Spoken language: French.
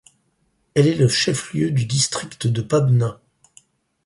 Elle est le chef-lieu du district de Pabna.